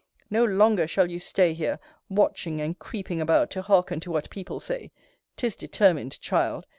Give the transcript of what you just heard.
No longer shall you stay here, watching and creeping about to hearken to what people say 'Tis determined, child!